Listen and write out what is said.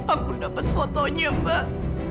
aku dapet fotonya mbak